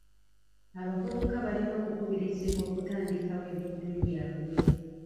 Abavubuka balina okukubirizibwa okutandikawo ebintu byabwe.